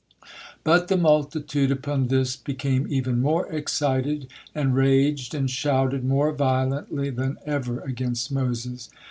But the multitude upon this became even more excited, and raged and shouted more violently than ever against Moses.